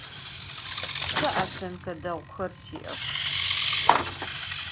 Se votsênke değuxer si'ex.